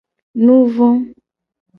Nuvo.